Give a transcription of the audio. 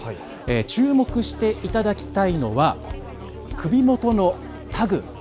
注目していただきたいのは首元のタグ。